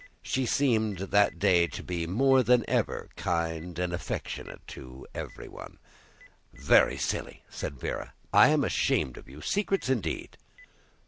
She seemed that day to be more than ever kind and affectionate to everyone. "Very silly," said Véra. "I am ashamed of you. Secrets indeed!"